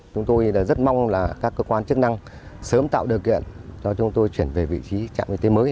chúng tôi rất mong là các cơ quan chức năng sớm tạo điều kiện cho chúng tôi chuyển về vị trí trạm y tế mới